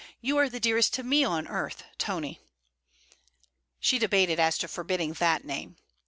You are the dearest to me on earth, Tony!' She debated as to forbidding that name.